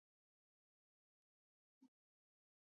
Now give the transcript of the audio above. افغانستان کې اوړي د چاپېریال د تغیر نښه ده.